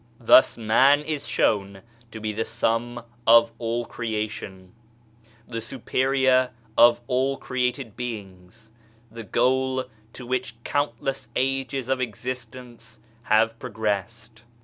Thus, man is shown to be the sum of all creation, the superior of all created beings, the goal to which countless ages of existence have progressed.